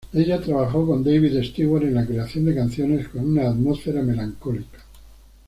Ella trabajó con David Stewart en la creación de canciones con una atmósfera melancólica.